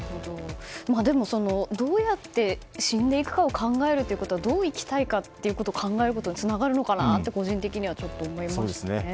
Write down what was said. でも、どうやって死んでいくかを考えるということはどう生きたいかを考えることにつながるのかなって個人的には思いましたね。